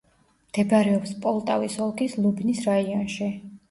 მდებარეობს პოლტავის ოლქის ლუბნის რაიონში.